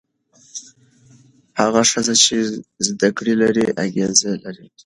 هغه ښځه چې زده کړه لري، اغېز لري.